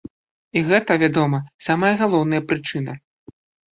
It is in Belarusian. І гэта, вядома, самая галоўная прычына.